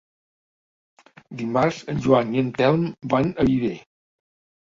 Dimarts en Joan i en Telm van a Viver.